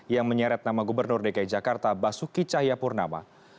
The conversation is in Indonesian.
yang menyeret nama gubernur dki jakarta basuki cahayapurnama